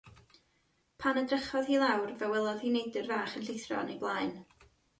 Pan edrychodd hi lawr fe welodd hi neidr fach yn llithro yn ei blaen.